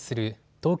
東京